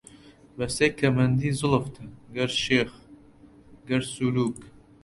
بەستەی کەمەندی زوڵفتە، گەر شێخ، ئەگەر سولووک